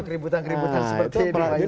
keributan keributan seperti ini